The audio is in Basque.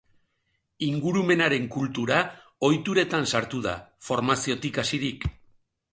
Ingurumenaren kultura ohituretan sartu da, formaziotik hasirik.